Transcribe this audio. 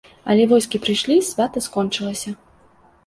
Але войскі прыйшлі, свята скончылася.